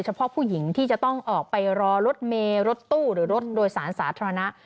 เฉพาะผู้หญิงที่จะต้องออกไปรอรถเมย์รถตู้หรือรถโดยสารสาธารณะ